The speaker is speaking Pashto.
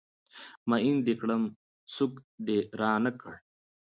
ميين د کړم سوک د رانه کړ